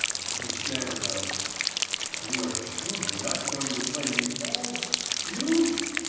He stammered out: "You are surely not going to play me false—you?"